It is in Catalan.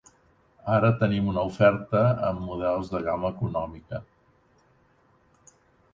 Ara, tenim una oferta amb models de gamma econòmica.